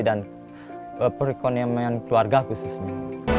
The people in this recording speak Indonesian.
dan perekonomian keluarga khususnya